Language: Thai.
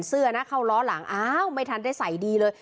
เสื้อนะเข้าล้อหลังอ้าวไม่ทันได้ใส่ดีเลย